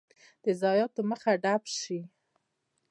د ضایعاتو مخه ډب شي.